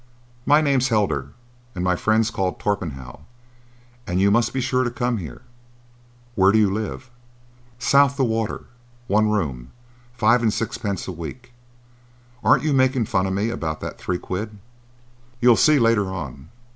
"My name's Heldar, and my friend's called Torpenhow; and you must be sure to come here. Where do you live?" "South the water,—one room,—five and sixpence a week. Aren't you making fun of me about that three quid?" "You'll see later on.